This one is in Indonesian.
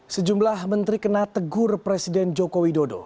sejumlah menteri kena tegur presiden joko widodo